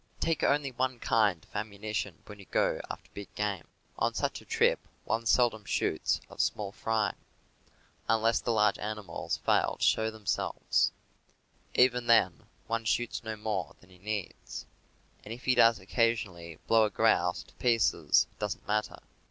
Take only one kind of ammunition when you go after big game. On such a trip one seldom shoots at small fry, unless the large animals fail to show them selves; even then, one shoots no more than he needs, 96 CAMPING AND WOODCRAFT and if he does occasionally blow a grouse to pieces it doesn't matter.